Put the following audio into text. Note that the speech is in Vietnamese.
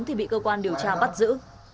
thì bị cơ quan điều tra bắt giữ